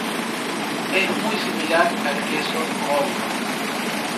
Es muy similar al queso Gouda.